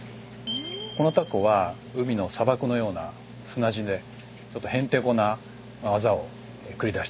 このタコは海の砂漠のような砂地でちょっとへんてこな技を繰り出してます。